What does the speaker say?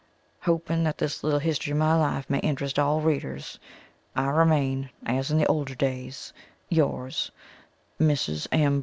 Hoping that this little history of my life may interest all readers, I remain as in the older days, Yours, Mrs. M.